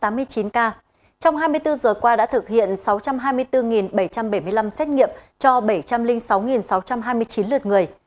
trong hai mươi bốn giờ qua đã thực hiện sáu trăm hai mươi bốn bảy trăm bảy mươi năm xét nghiệm cho bảy trăm linh sáu sáu trăm hai mươi chín lượt người